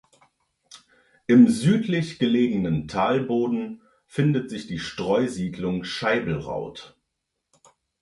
Im südlich gelegenen Talboden findet sich die Streusiedlung Scheiblraut.